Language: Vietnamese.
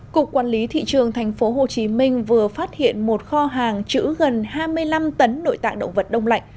cục quản lý thị trường tp hcm vừa phát hiện một kho hàng chữ gần hai mươi năm tấn nội tạng động vật đông lạnh